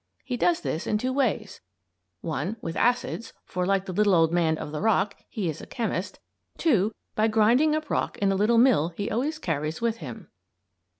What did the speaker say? He does this in two ways: (1) With acids for, like the Little Old Man of the Rock, he is a chemist; (2) by grinding up rock in a little mill he always carries with him.